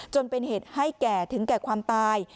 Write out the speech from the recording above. จนเป็นเหตุให้แก่ถึงแก่ความตาย